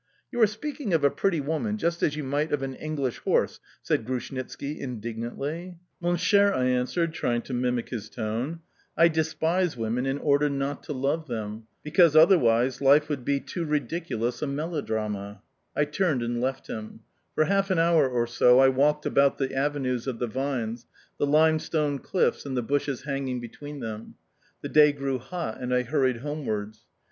"You are speaking of a pretty woman just as you might of an English horse," said Grushnitski indignantly. "Mon cher," I answered, trying to mimic his tone, "je meprise les femmes, pour ne pas les aimer, car autrement la vie serait un melodrame trop ridicule." I turned and left him. For half an hour or so I walked about the avenues of the vines, the limestone cliffs and the bushes hanging between them. The day grew hot, and I hurried homewards.